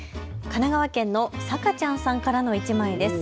神奈川県のさかちゃんさんからの１枚です。